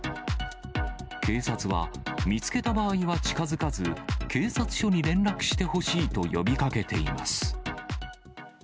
警察は、見つけた場合は近づかず、警察署に連絡してほしいと呼びかけています。